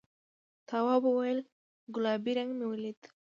تواب وویل گلابي رنګ مې ولید.